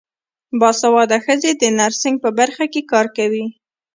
باسواده ښځې د نرسنګ په برخه کې کار کوي.